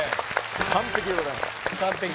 完璧でございます完璧？